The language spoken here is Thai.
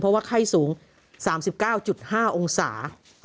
เพราะว่าไข้สูง๓๙๕องศา